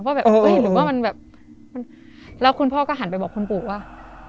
แบบเอ้ยหรือว่ามันแบบมันแล้วคุณพ่อก็หันไปบอกคุณปู่ว่า